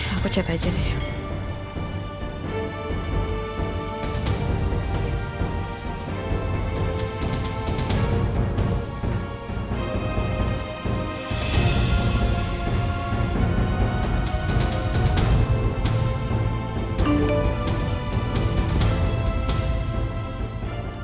aku cat aja deh